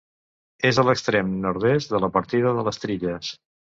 És a l'extrem nord-est de la partida de les Trilles.